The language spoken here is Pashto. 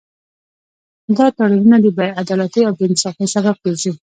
دا تړونونه د بې عدالتۍ او بې انصافۍ سبب ګرځي